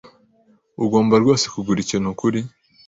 Ugomba rwose kugura ikintu kuri .